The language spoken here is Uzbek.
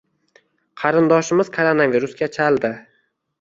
Qarindoshimiz koronavirusga chaldi